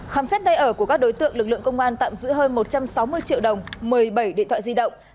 khám xét nơi ở của các đối tượng lực lượng công an tạm giữ hơn một trăm sáu mươi triệu đồng một mươi bảy điện thoại di động